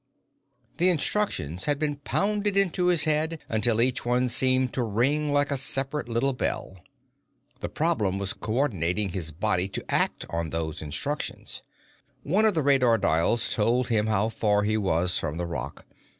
_ The instructions had been pounded into his head until each one seemed to ring like a separate little bell. The problem was coordinating his body to act on those instructions. One of the radar dials told him how far he was from the rock.